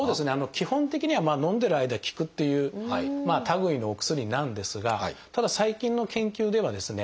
基本的にはのんでる間効くっていう類いのお薬なんですがただ最近の研究ではですね